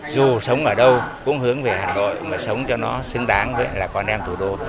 dù sống ở đâu cũng hướng về hà nội mà sống cho nó xứng đáng với là con em thủ đô